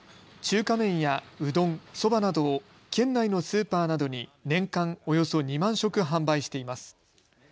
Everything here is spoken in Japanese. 中華麺やうどん、そばなどを県内のスーパーなどに年間およそ２万食販売しています。